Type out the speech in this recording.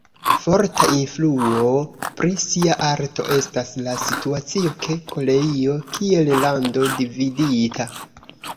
Forta influo pri sia arto estas la situacio de Koreio kiel lando dividita.